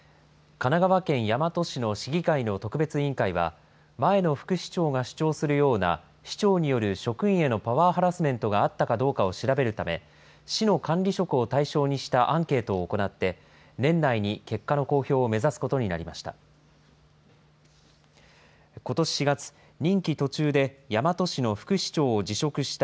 神奈川県大和市の市議会の特別委員会は、前の副市長が主張するような市長による職員へのパワーハラスメントがあったかどうかを調べるため、市の管理職を対象にしたアンケートを行って、年内に結果の公表を目指すことになりました。